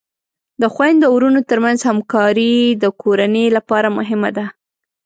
د خویندو او ورونو ترمنځ همکاری د کورنۍ لپاره مهمه ده.